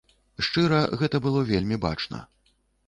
Шчыра, гэта было вельмі бачна.